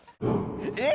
えっ？